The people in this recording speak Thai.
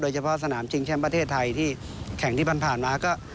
โดยเฉพาะสนามจริงเช่นประเทศไทยที่แข่งที่ผ่านผ่านมาก็